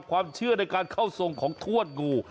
ความเชื่อในการเข้าทรงของทวดงู